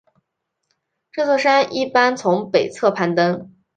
这座山一般从北侧攀登。